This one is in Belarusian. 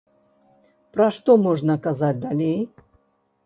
Пра што можна казаць далей?